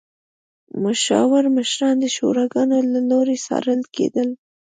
مشاور مشران د شوراګانو له لوري څارل کېدل.